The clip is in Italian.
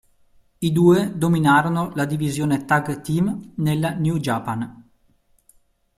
I due dominarono la divisione tag team nella New Japan.